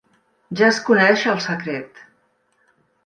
Ja es coneix el secret.